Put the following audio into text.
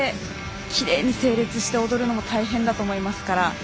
きれいに整列して踊るのも大変だと思いますから。